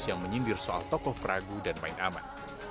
yang menyindir soal tokoh peragu dan main aman